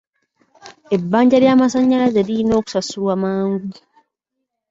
Ebbanja ly'amasannyalaze lirina okusasulwa mangu.